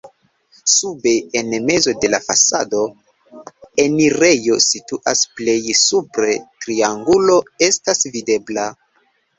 Sube en mezo de la fasado enirejo situas, plej supre triangulo estas videbla.